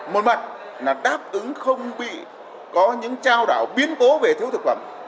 một mặt là đáp ứng không bị có những trao đảo biến cố về thiếu thực phẩm